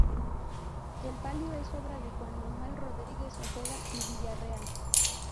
El palio es obra de Juan manuel Rodríguez Ojeda y Villarreal.